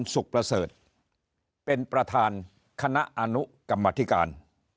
เด็กนครสุขประเสริฐเป็นประธานคณะอานุกรรมธิการ